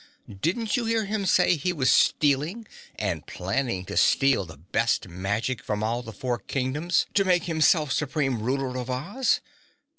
Didn't you hear him say he was stealing and planning to steal the best magic from all the four Kingdoms to make himself supreme ruler of Oz?